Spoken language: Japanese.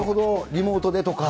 リモートでとか。